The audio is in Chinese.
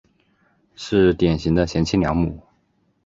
是典型的贤妻良母。